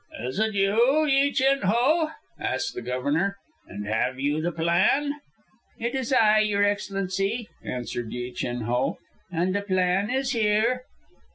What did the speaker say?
"Is it you, Yi Chin Ho?" asked the Governor. "And have you the plan?" "It is I, Your Excellency," answered Yi Chin Ho, "and the plan is here."